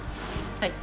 はい